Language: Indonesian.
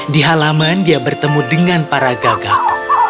di halaman dia bertemu dengan para gagak